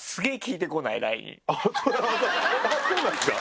あっそうなんですか？